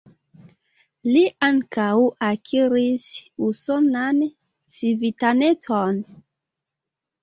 Li ankaŭ akiris usonan civitanecon.